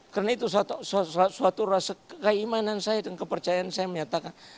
karena itu suatu rasa keimanan saya dan kepercayaan saya menyatakan